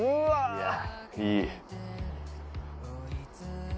いやぁいい。